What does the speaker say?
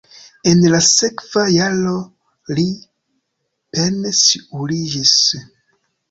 En la sekva jaro li pensiuliĝis.